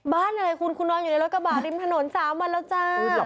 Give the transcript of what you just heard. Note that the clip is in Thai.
อะไรคุณคุณนอนอยู่ในรถกระบะริมถนน๓วันแล้วจ้า